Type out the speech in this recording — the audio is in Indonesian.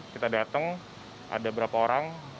kita datang ada berapa orang